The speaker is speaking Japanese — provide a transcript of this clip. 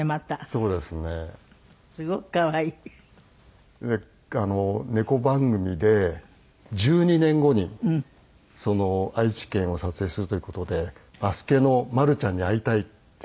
それで猫番組で１２年後に愛知県を撮影するという事で足助のまるちゃんに会いたいって。